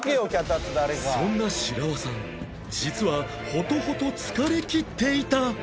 そんな白輪さん実はほとほと疲れきっていた